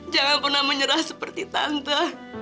jangan pernah menyerah seperti tante